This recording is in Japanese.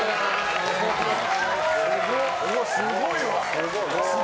すごいわ。